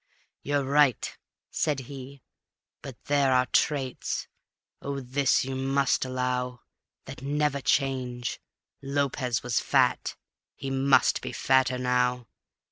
"You're right," said he, "but there are traits (oh, this you must allow) That never change; Lopez was fat, he must be fatter now.